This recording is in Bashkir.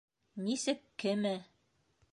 Нисек кеме?